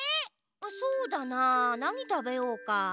そうだななにたべようか？